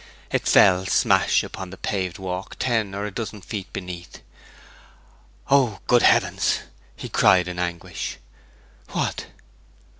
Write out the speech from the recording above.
It fell smash upon the paved walk ten or a dozen feet beneath. 'Oh, good heavens!' he cried in anguish. 'What?'